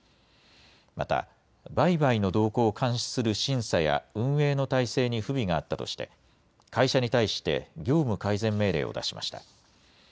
また、売買の動向を監視する審査や運営の態勢に不備があったとして、会社に対して業務改善命令を出しました。